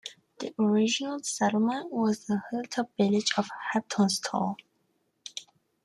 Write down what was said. The original settlement was the hilltop village of Heptonstall.